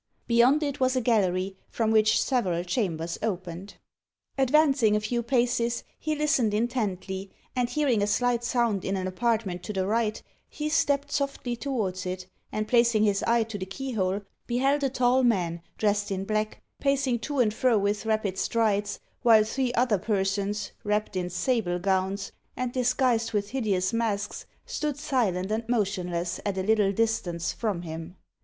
Beyond it was a gallery, from which several chambers opened. Advancing a few paces, he listened intently, and hearing a slight sound in an apartment to the right, he stepped softly towards it, and placing his eye to the keyhole, beheld a tall man, dressed in black, pacing to and fro with rapid strides, while three other persons, wrapped in sable gowns, and disguised with hideous masks, stood silent and motionless at a little distance from him.